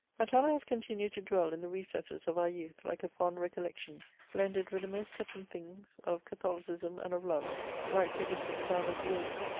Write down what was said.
Jtala has continued to dwell in the recesses of our youth, like a fond recollection, blended with the most touching things of Catholicism and of Love, like the distant sound of the organ.